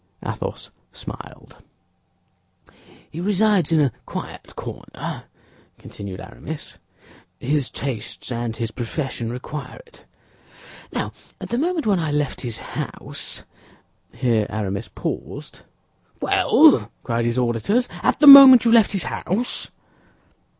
Athos smiled. "He resides in a quiet quarter," continued Aramis; "his tastes and his profession require it. Now, at the moment when I left his house—" Here Aramis paused. "Well," cried his auditors; "at the moment you left his house?"